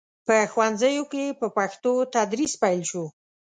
په ښوونځیو کې په پښتو تدریس پیل شو.